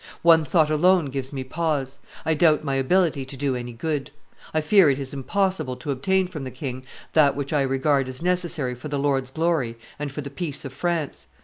One thought alone gives me pause: I doubt my ability to do any good; I fear it is impossible to obtain from the king that which I regard as necessary for the Lord's glory and for the peace of France.